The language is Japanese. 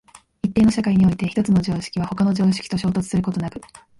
一定の社会において一つの常識は他の常識と衝突することなく、